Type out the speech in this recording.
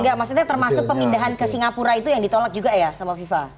enggak maksudnya termasuk pemindahan ke singapura itu yang ditolak juga ya sama fifa